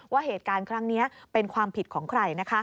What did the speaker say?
ว่าเหตุการณ์ครั้งนี้เป็นความผิดของใคร